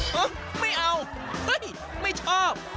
เฮ้ยไม่เอาเฮ้ยไม่ชอบ